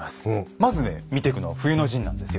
まずね見てくのは冬の陣なんですよ。